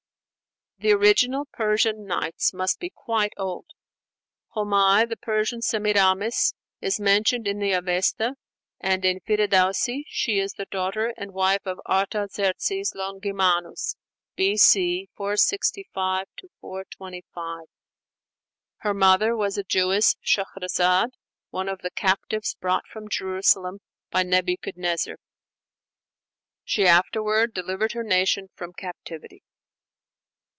The original Persian 'Nights' must be quite old. Homai, the Persian Semiramis, is mentioned in the 'Avesta'; and in Firdausi she is the daughter and the wife of Artaxerxes Longimanus (B.C. 465 425). Her mother was a Jewess, Shahrazaad, one of the captives brought from Jerusalem by Nebuchadnezzar; she afterward delivered her nation from captivity.